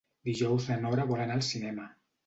Dijous na Nora vol anar al cinema.